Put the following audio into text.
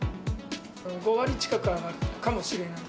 ５割近く上がるかもしれない。